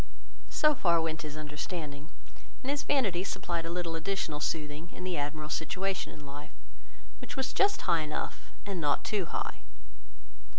So far went his understanding; and his vanity supplied a little additional soothing, in the Admiral's situation in life, which was just high enough, and not too high.